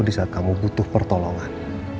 di saat kamu butuh pertolongan